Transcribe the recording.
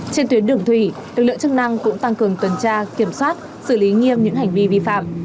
trên tuyến đường thủy lực lượng chức năng cũng tăng cường tuần tra kiểm soát xử lý nghiêm những hành vi vi phạm